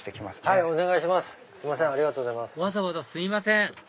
わざわざすいません